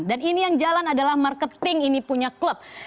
dan ini yang jalan adalah marketing ini punya klub